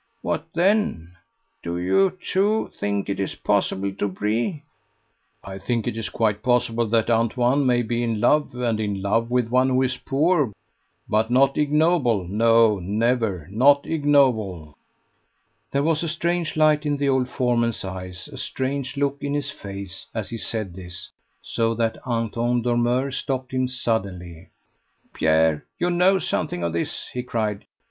"What then! Do you, too, think it is possible, Dobree?" "I think it is quite possible that Antoine may be in love, and in love with one who is poor, but not ignoble no, never not ignoble." There was a strange light in the old foreman's eyes, a strange look in his face, as he said this, so that Anton Dormeur stopped him suddenly. "Pierre, you know something of this," he cried.